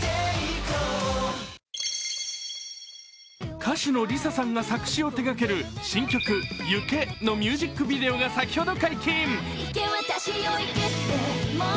歌手のＬｉＳＡさんが作詞を手がける新曲「往け」のミュージックビデオが先ほど解禁。